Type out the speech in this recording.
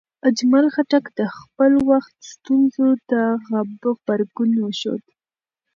اجمل خټک د خپل وخت ستونزو ته غبرګون وښود.